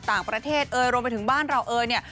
ต่างประเทศเอ่ยรวมไปถึงบ้านเราเอ่ยเนี่ย